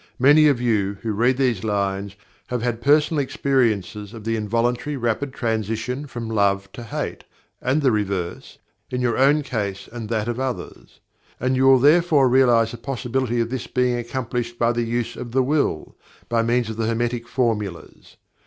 Many of you, who read these lines, have had personal experiences of the involuntary rapid transition from Love to Hate, and the reverse, in your own case and that of others. And you will therefore realize the possibility of this being accomplished by the use of the Will, by means of the Hermetic formulas.